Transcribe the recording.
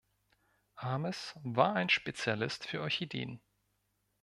Ames war ein Spezialist für Orchideen.